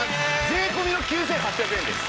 税込の９８００円です。